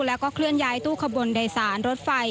และเคลื่อนย้ายตู้คบลใดสารรถไฟ